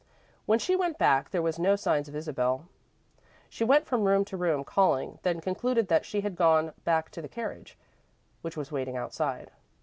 When she went back, there were no signs of Isabel. She went from room to room, calling, then concluded that she had gone back to the carriage, which was waiting outside.